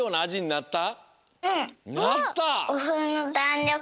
なった！？